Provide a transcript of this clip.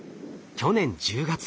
去年１０月。